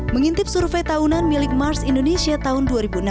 mengintip survei tahunan milik mars indonesia tahun dua ribu enam belas